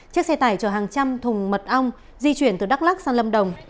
chiếc xe tải chở hàng trăm thùng mật ong di chuyển từ đắk lắc sang lâm đồng